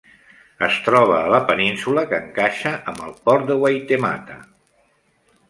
Es troba a la península que encaixa amb el port de Waitemata.